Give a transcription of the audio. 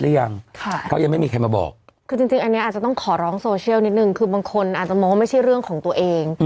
ก็ยังไม่มีใครมาบอกคือจริงจริงอันนี้อาจจะต้องขอร้องโซเชียลนิดนึงคือบางคนอาจจะมองว่าไม่ใช่เรื่องของตัวเอง